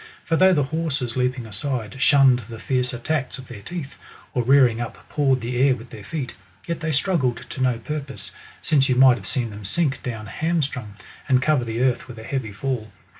For though the horses, leaping aside, shunned the fierce attacks of their teeth, or, rearing up, pawed the air with their feet, t/et they struggled to no purpose ; since you might have seen them sink down hamstrung, and cover the earth with a heavy fall.